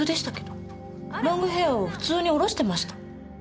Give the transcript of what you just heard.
ロングヘアーを普通に下ろしてました。